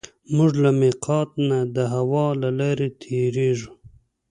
موږ له مېقات نه د هوا له لارې تېرېږو.